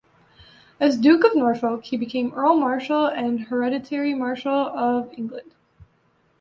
As Duke of Norfolk, he became Earl Marshal and Hereditary Marshal of England.